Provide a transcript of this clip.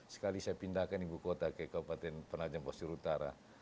sekali saya pindahkan ibu kota ke kabupaten penajam posir utara